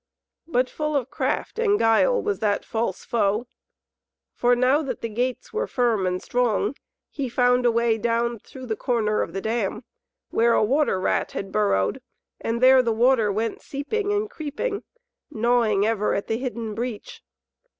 But full of craft and guile was that false foe. For now that the gates were firm and strong, he found a way down through the corner of the dam, where a water rat had burrowed, and there the water went seeping and creeping, gnawing ever at the hidden breach.